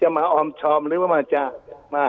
เหมือนกันเหมือนกันเลย